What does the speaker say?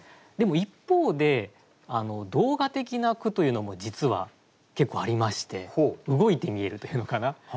でも一方で動画的な句というのも実は結構ありまして動いて見えるというのかな。